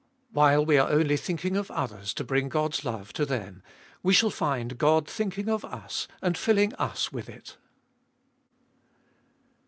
While we are only thinking of others to bring God's love to them, we shall find God thinking of us, and filling us with it.